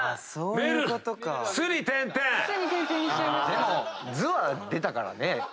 でも「ず」は出たからね。